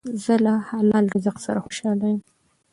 زه له حلال رزق سره خوشحاله یم.